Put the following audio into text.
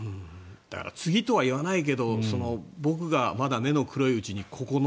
だから次とは言わないけど僕がまだ目の黒いうちに。